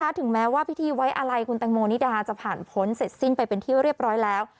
ถึงแม้ว่าพิธีไว้อะไรคุณแตงโมนิดาจะผ่านพ้นเสร็จสิ้นไปเป็นที่เรียบร้อยแล้ว